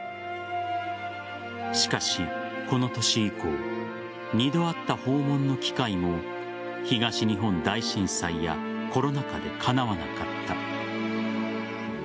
しかし、この年以降二度あった訪問の機会も東日本大震災やコロナ禍でかなわなかった。